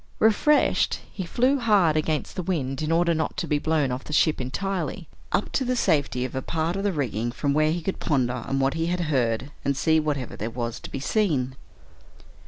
Refreshed, he flew hard against the wind in order not to be blown off the ship entirely, up to the safety of a part of the rigging from where he could ponder on what he had heard, and see whatever there was to be seen.